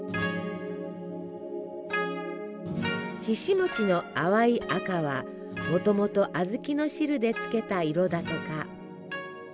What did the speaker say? ひし餅の淡い赤はもともと小豆の汁でつけた色だとか。